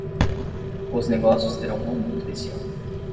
Os negócios terão um aumento esse ano.